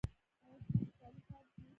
ایا ستاسو کالي پاک دي؟